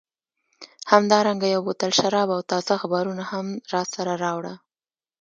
همدارنګه یو بوتل شراب او تازه اخبارونه هم راسره راوړه.